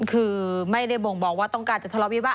คือไม่ได้บ่งบอกว่าต้องการจะทะเลาวิวาส